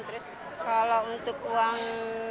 terus kalau untuk uang